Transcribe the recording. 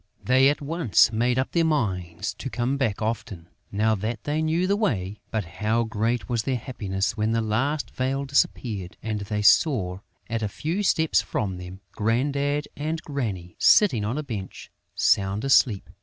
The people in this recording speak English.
They at once made up their minds to come back often, now that they knew the way. But how great was their happiness when the last veil disappeared and they saw, at a few steps from them, Grandad and Granny sitting on a bench, sound asleep.